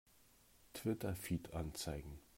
Twitter-Feed anzeigen!